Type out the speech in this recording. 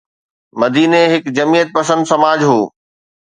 مديني هڪ جمعيت پسند سماج هو.